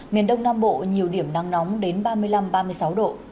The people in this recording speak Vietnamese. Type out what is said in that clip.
miền đông nam bộ nhiều điểm nắng nóng đến ba mươi năm ba mươi sáu độ